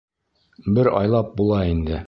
— Бер айлап була инде.